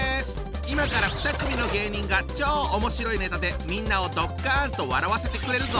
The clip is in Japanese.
今から２組の芸人が超おもしろいネタでみんなをドッカンと笑わせてくれるぞ！